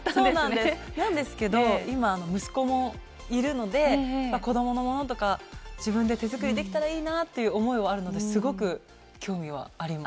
なんですけど今息子もいるので子供のものとか自分で手作りできたらいいなぁという思いはあるのですごく興味はあります。